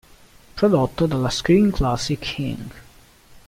Prodotto dalla Screen Classics Inc.